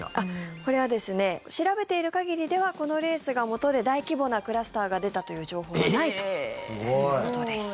これは調べている限りではこのレースがもとで大規模なクラスターが出たという情報はないということです。